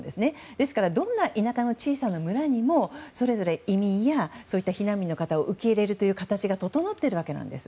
ですからどんな田舎の小さな村にもそれぞれ移民やそういった避難民の方を受け入れる体制が整っているわけなんです。